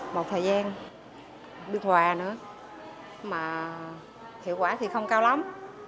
một thời gian được hòa nữa mà hiệu quả thì không cao lắm